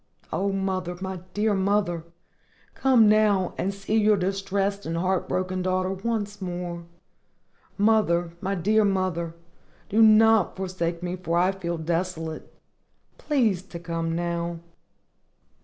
O, mother! my dear mother! come now and see your distressed and heart broken daughter once more. Mother! my dear mother! do not forsake me, for I feel desolate! Please to come now.